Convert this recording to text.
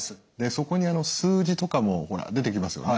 そこに数字とかも出てきますよね。